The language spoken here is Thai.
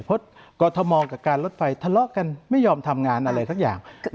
เพราะกรทมกับการลดไฟทะเลาะกันไม่ยอมทำงานอะไรสักอย่าง